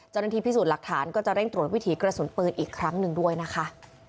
เจ้าหน้าที่พิสูจน์หลักฐานก็จะเร่งตรวจวิถีกระสุนปืนอีกครั้งหนึ่งด้วยนะคะ